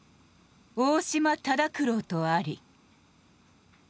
『大島忠九郎』とあり」。